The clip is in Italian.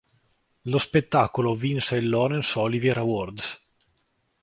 Lo spettacolo vinse il Laurence Olivier Awards.